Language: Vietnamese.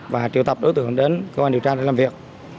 và triệu tập đối tượng đến công an điều tra để làm việc